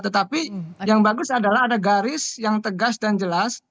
tetapi yang bagus adalah ada garis yang tegas dan jelas